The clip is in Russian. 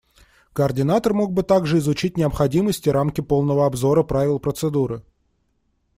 Координатор мог бы также изучить необходимость и рамки полного обзора правил процедуры.